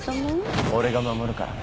俺が守るからね。